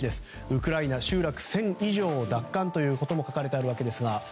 ウクライナ集落１０００以上奪還ということも書かれているわけですが。